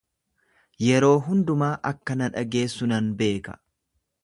Yeroo hundumaa akka na dhageessu nan beeka.